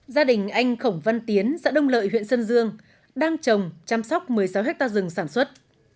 gia đình anh khổng văn tiến xã đông lợi huyện sơn dương đang trồng chăm sóc một mươi sáu hectare rừng sản xuất